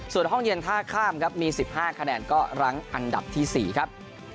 ส่วนห้องเย็นท่าข้ามครับมี๑๕คะแนนก็รั้งอันดับที่๔ครับ